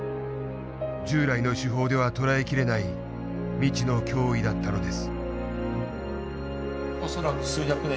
従来の手法では捉えきれない未知の脅威だったのです。